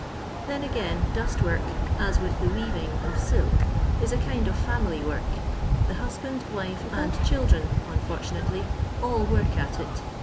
Then, agab, dustwork, as with the weaving of silk, ia a kind oT £ynily work. The husband, wife, and children (unfortunately) all work at it.